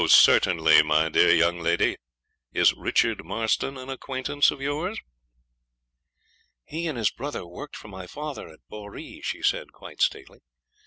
certainly, my dear young lady. Is Richard Marston an acquaintance of yours?' 'He and his brother worked for my father at Boree,' she said, quite stately.